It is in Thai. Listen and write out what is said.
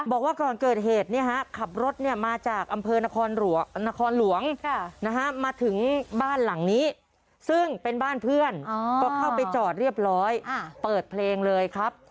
บอกว่าก่อนเกิดเหตุขับรถเนี่ยมาจากอำเภอนครหลวงมาถึงบ้านหลังนี้ซึ่งเป็นบ้านเพื่อนก็เข้าไปจอดเรียบร้อยเปิดเพลงเลยครับ